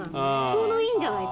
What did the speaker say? ちょうどいいんじゃ？